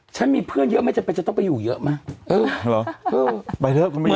ฉันมีเพื่อนเยอะไม่จำเป็นจะต้องไปอยู่เยอะไหมเออเหรอไปเถอะ